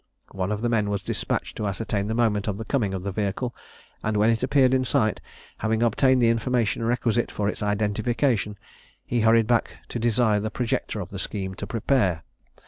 One of the men was despatched to ascertain the moment of the coming of the vehicle; and when it appeared in sight, having obtained the information requisite for its identification, he hurried back to desire the projector of the scheme to prepare.